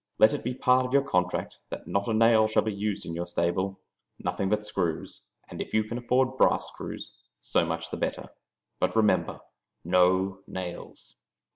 Let it be part of your contract that not a nail shall be used in your stable nothing but screws, and if you can afford brass screws, so much the better. But remember, no nails!"